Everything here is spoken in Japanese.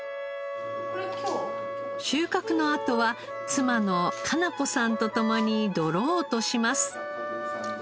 収穫のあとは妻の加奈子さんと共に泥を落とします。